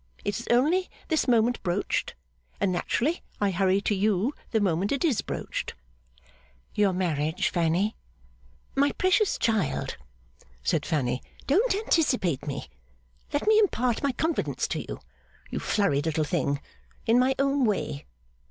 It is only this moment broached; and naturally I hurry to you the moment it is broached.' 'Your marriage, Fanny?' 'My precious child,' said Fanny, 'don't anticipate me. Let me impart my confidence to you, you flurried little thing, in my own way.